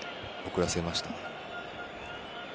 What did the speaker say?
遅らせましたね。